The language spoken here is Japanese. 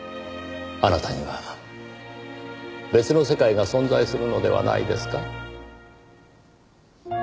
あなたには別の世界が存在するのではないですか？